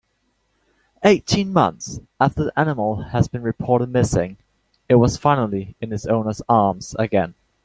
Eighteen months after the animal has been reported missing it was finally in its owner's arms again.